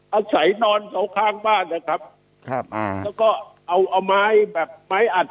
อาศัยนอนเขาข้างบ้านนะครับครับอ่าแล้วก็เอาเอาไม้แบบไม้อัด